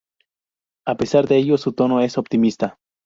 A pesar de ello, su tono es optimista.